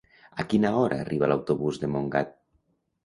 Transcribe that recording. A quina hora arriba l'autobús de Montgat?